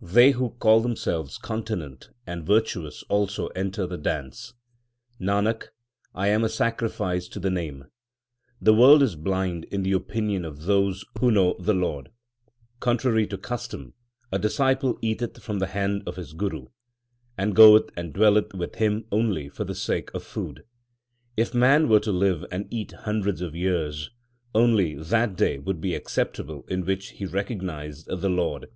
3 They who call themselves continent and virtuous also enter the dance. Nanak, I am a sacrifice to the Name. The world is blind in the opinion of those who know the Lord. Contrary to custom, a disciple eateth from the hand of his guru, And goeth and dwelleth with him only for the sake of food. 4 If man were to live and eat hundreds of years, Only that day would be acceptable in which he recognized the Lord.